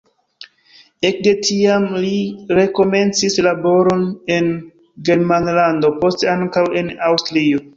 Ekde tiam li rekomencis laboron en Germanlando, poste ankaŭ en Aŭstrio.